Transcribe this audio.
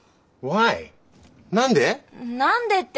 何でって。